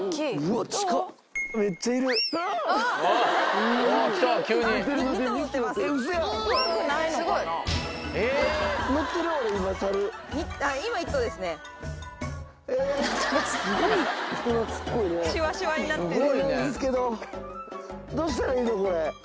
動けないんですけどどうしたらいいのこれ。